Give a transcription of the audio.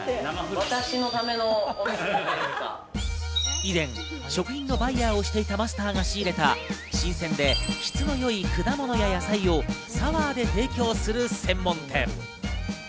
以前、食品のバイヤーをしていたマスターが仕入れた新鮮で質のよい果物や野菜をサワーで提供する専門店。